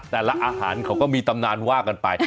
อาหารเขาก็มีตำนานว่ากันไป